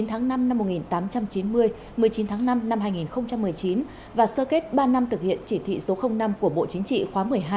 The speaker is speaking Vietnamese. một mươi tháng năm năm một nghìn tám trăm chín mươi một mươi chín tháng năm năm hai nghìn một mươi chín và sơ kết ba năm thực hiện chỉ thị số năm của bộ chính trị khóa một mươi hai